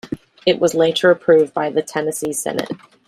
It was later approved by the Tennessee Senate.